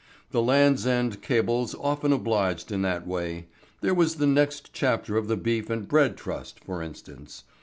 The Land's End cables often obliged in that way. There was the next chapter of the Beef and Bread Trust, for instance.